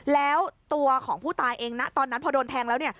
แล้วตัวของผู้ตายเองนะตอนนั้นพอโดนแทงแล้วเนี่ย